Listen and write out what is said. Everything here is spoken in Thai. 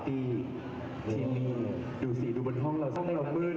ที่นี่ดูสิดูบนห้องเราต้องให้เรามืด